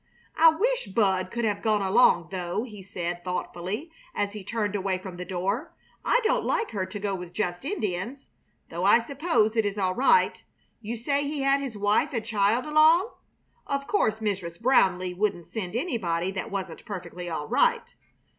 "I wish Bud could have gone along, though," he said, thoughtfully, as he turned away from the door. "I don't like her to go with just Indians, though I suppose it is all right. You say he had his wife and child along? Of course Mrs. Brownleigh wouldn't send anybody that wasn't perfectly all right.